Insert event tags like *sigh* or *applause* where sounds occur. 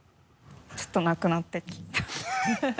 ちょっとなくなってきた *laughs*